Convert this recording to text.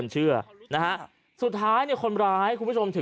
สุดท้ายเขาปฏิเส